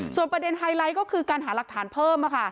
ส่วนประเด็นไฮไลท์ก็คือการหาหลักฐานเพิ่ม